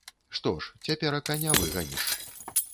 Што ж, цяперака не выганіш.